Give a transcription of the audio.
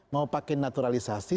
mau pakai naturalisasi